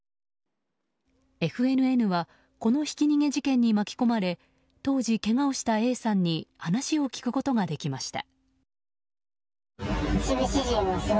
ＦＮＮはこのひき逃げ事件に巻き込まれ当時けがをしたＡさんに話を聞くことができました。